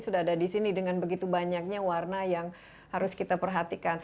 sudah ada di sini dengan begitu banyaknya warna yang harus kita perhatikan